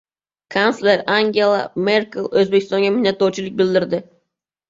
Kansler Angela Merkel O‘zbekistonga minnatdorlik bildirdi